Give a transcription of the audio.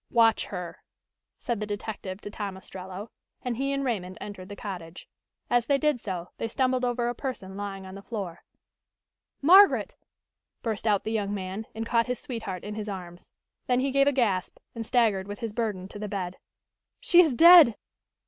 "Watch her," said the detective to Tom Ostrello, and he and Raymond entered the cottage. As they did so, they stumbled over a person lying on the floor. "Margaret!" burst out the young man and caught his sweetheart in his arms. Then he gave a gasp, and staggered with his burden to the bed. "She is dead!"